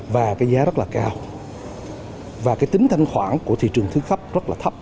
và cái giá rất là cao và cái tính thanh khoản của thị trường thứ cấp rất là thấp